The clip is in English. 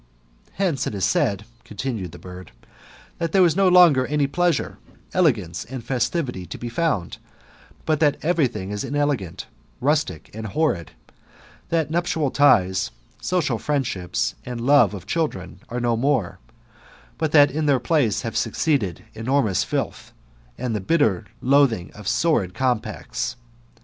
Hence it is said, continued the bird, that there is no longer any pleasure, elegance, and festivity to be found, but that every thing is inelegant, rustic, and horrid; that nuptial ties, social friendships, and love of childrei^ are no more ; but that in their place have succeeded enormous filth, and the bitter loathing of sordid compacts.